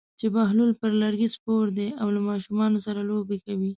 چې بهلول پر لرګي سپور دی او له ماشومانو سره لوبې کوي.